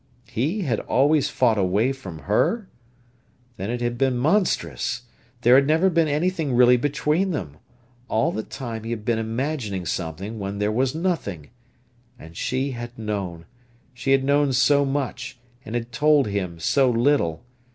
"He had always fought away from her?" Then it had been monstrous. There had never been anything really between them; all the time he had been imagining something where there was nothing. And she had known. She had known so much, and had told him so little.